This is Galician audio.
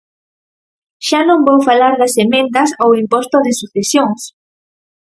Xa non vou falar das emendas ao imposto de sucesións.